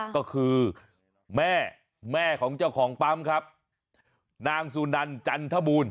ก็คือแม่ของเจ้าของปั๊มนางสุนันจันทบูรณ์